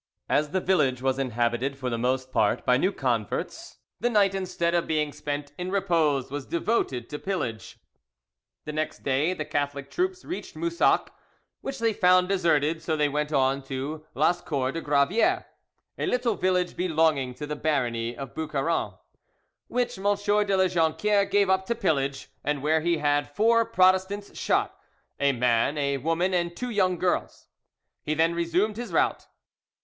As the village was inhabited for the most part by new converts, the night instead of being spent in repose was devoted to pillage. The next day the Catholic troops reached Moussac, which they found deserted, so they went on to Lascours de Gravier, a little village belonging to the barony of Boucairan, which M. de La Jonquiere gave up to pillage, and where he had four Protestants shot—a man, a woman, and two young girls. He then resumed his route.